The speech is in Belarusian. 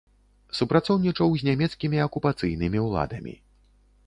Супрацоўнічаў з нямецкімі акупацыйнымі ўладамі.